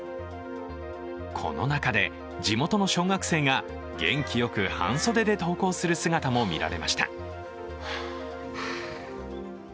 この中で、地元の小学生が元気よく半袖で登校する姿も見られました。